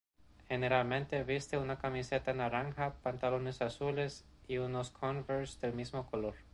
Generalmente viste una camiseta naranja, pantalones azules y unos "Converse" del mismo color.